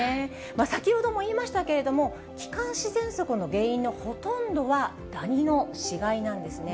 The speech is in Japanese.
先ほども言いましたけれども、気管支ぜんそくの原因のほとんどはダニの死骸なんですね。